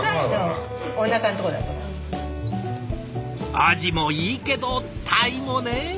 アジもいいけどタイもね！